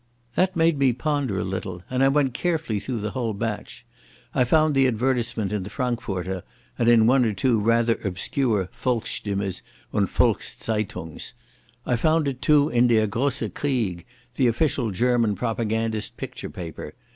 That made me ponder a little, and I went carefully through the whole batch. I found the advertisement in the Frankfurter and in one or two rather obscure Volkstimmes and Volkszeitungs. I found it too in Der Grosse Krieg, the official German propagandist picture paper.